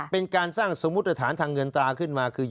เป็นการสร้างสมมุติฐานทางเงินตราขึ้นมาคือ